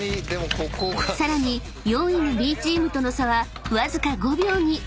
［さらに４位のＢチームとの差はわずか５秒に］